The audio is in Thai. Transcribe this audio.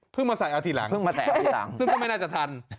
เพิ่งมาใส่อาทิตย์หลังซึ่งก็ไม่น่าจะทัน